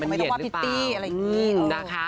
ไม่ต้องว่าพิตตี้อะไรอย่างนี้นะคะ